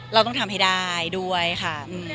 เราต้องทำให้ได้ด้วยค่ะ